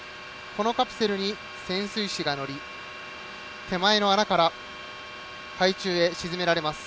このカプセルに潜水士が乗り手前の穴から海中へ沈められます。